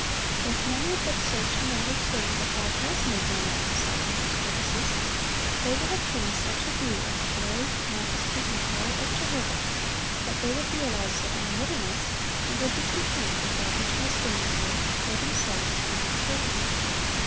If men would but search and understand what God has made known of Himself and His purposes, they would obtain such a view of the glory, majesty, and power of Jehovah, that they would realize their own littleness, and would be content with that which has been revealed for themselves and their children.